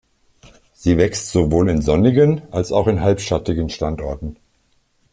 Sie wächst sowohl in sonnigen als auch in halbschattigen Standorten.